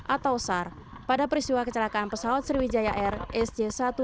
atau sar pada peristiwa kecelakaan pesawat sriwijaya air sj satu ratus delapan puluh dua